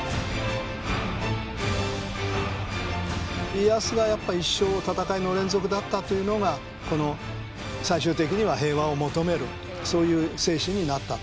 家康がやっぱり一生戦いの連続だったというのがこの最終的には平和を求めるそういう精神になったと。